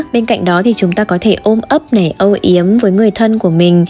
bên cạnh đó thì chúng ta có thể ôm ấp ôi yếm với người thân của mình